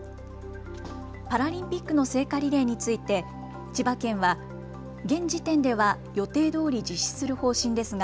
パラリンピックの聖火リレーについて千葉県は現時点では予定どおり実施する方針ですが